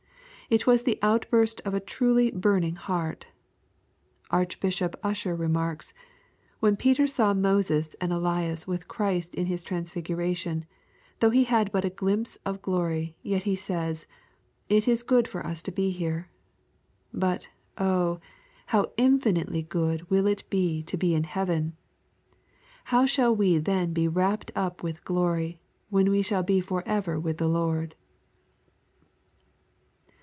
It was the outburst of a truly burning heart Archbishop Usher remarks, " When Peter saw Moses and Elias with Christ in His transfiguration, though he had but a glimpse of glory, yet he says, * It is good for us to be here.' But Oh I how infinitely good vnll it be to be in heaven. How shaU we then be rapt up with glory, when we shall be forever with the Lord